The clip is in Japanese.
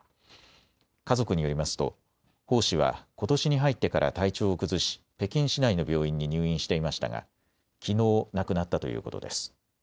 家族によりますと、鮑氏はことしに入ってから体調を崩し北京市内の病院に入院していましたがきのう、亡くなったということです。